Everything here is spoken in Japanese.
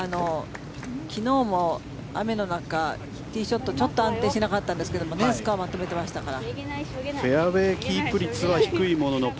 昨日も雨の中ティーショットちょっと安定してなかったんですがスコアをまとめていましたから。